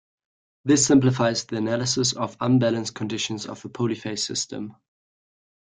This simplifies the analysis of unbalanced conditions of a polyphase system.